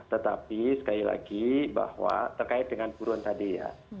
tetapi sekali lagi bahwa terkait dengan buruan tadi ya